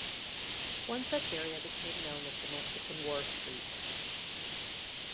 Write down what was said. One such area became known as The Mexican War Streets.